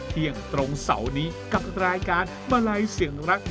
เที่ยงตรงเสาร์นี้กับรายการมาลัยเสียงรัก